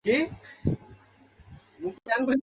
দুনিয়াটা তো বদলাচ্ছেই।